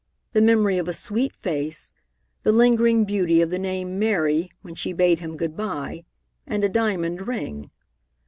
The memory of a sweet face, the lingering beauty of the name "Mary" when she bade him good by, and a diamond ring.